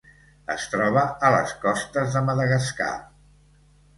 Es troba a les costes de Madagascar.